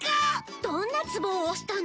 どんなツボを押したの？